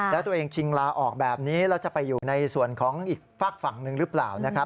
แล้วตัวเองชิงลาออกแบบนี้แล้วจะไปอยู่ในส่วนของอีกฝากฝั่งหนึ่งหรือเปล่านะครับ